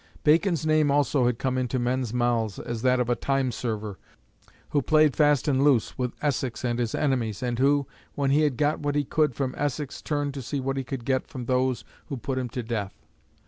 Bacon's name also had come into men's mouths as that of a time server who played fast and loose with Essex and his enemies, and who, when he had got what he could from Essex, turned to see what he could get from those who put him to death.